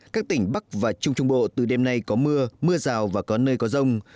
các tỉnh bắc và trung trung bộ từ đêm nay có mưa mưa rào và có nơi có rông